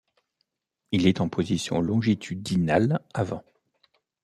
Il est en position longitudinale avant.